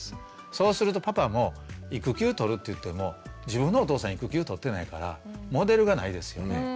そうするとパパも育休取るっていっても自分のお父さん育休取ってないからモデルがないですよね。